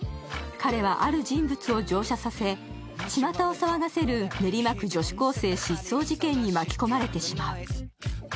彼は、ある人物を乗車させ、ちまたを騒がせる練馬区女子高生失踪事件に巻き込まれてしまう。